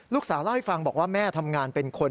เล่าให้ฟังบอกว่าแม่ทำงานเป็นคน